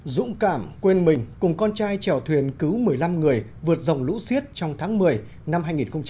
dũng cảm quên mình cùng con trai trèo thuyền cứu một mươi năm người vượt dòng lũ xiết trong tháng một mươi năm hai nghìn một mươi chín